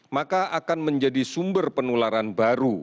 maka akan menjadi sumber penularan baru